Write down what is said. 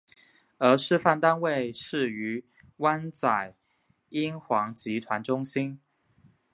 而示范单位设于湾仔英皇集团中心。